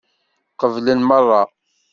Qeblen meṛṛa.